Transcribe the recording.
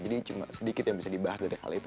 cuma sedikit yang bisa dibahas dari hal itu